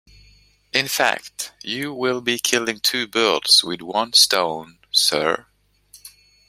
In fact, you will be killing two birds with one stone, sir.